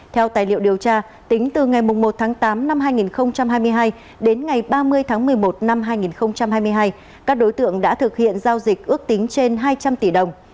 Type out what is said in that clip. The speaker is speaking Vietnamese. tính từ ngày một tháng tám năm hai nghìn hai mươi hai đến ngày ba mươi tháng một mươi một năm hai nghìn hai mươi hai các đối tượng đã thực hiện giao dịch ước tính trên hai trăm linh tỷ đồng